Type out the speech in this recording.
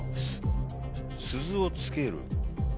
鈴を付ける。